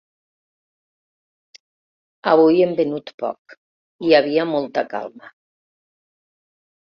Avui hem venut poc, hi havia molta calma.